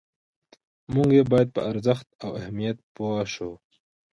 موږ باید په ارزښت او اهمیت یې پوه شو.